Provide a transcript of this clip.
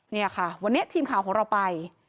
นี่ค่ะวันนี้ทีมข่าวของเราไป